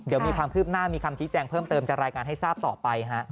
เดี๋ยวมีความคืบหน้ามีคำชี้แจงเพิ่มเติมจะรายงานให้ทราบต่อไปฮะ